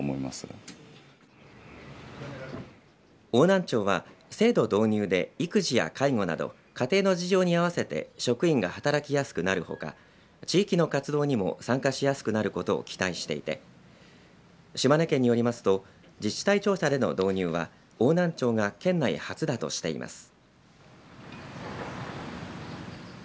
邑南町は制度導入で育児や介護など家庭の事情に合わせて職員が働きやすくなるほか地域の活動にも参加しやすくなることを期待していて島根県によりますと自治体庁舎での導入は邑南町が県内初だとしています。